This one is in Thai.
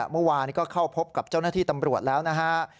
เมื่อวานก็เข้าพบกับเจ้าหน้าที่ตำรวจแล้วนะฮะ